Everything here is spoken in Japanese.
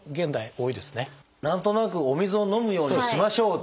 何となくお水を飲むようにしましょうっていうね。